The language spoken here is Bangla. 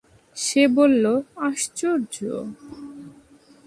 সে বলল, আশ্চর্য!